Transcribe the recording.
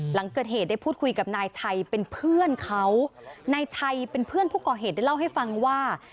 หลังเกิดเหตุได้พูดคุยกับนายชัยเป็นเพื่อนเขานายชัยเป็นเพื่อนผู้ก่อเหตุได้เล่าให้ฟังว่า